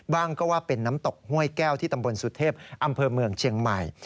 ว่าก็ว่าเป็นน้ำตกห้วยแก้วที่ตำบลสุเทพอำเภอเมืองเชียงใหม่